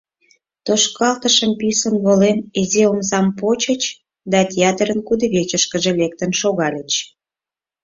Тошкалтышым писын волен, изи омсам почыч да театрын кудывечышкыже лектын шогальыч.